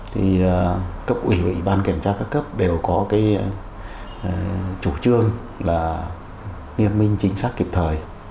thì cấp ủy và ủy ban kiểm tra các cấp đều có cái chủ trương là liên minh chính xác kịp thời